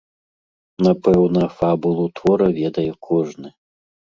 Напэўна, фабулу твора ведае кожны.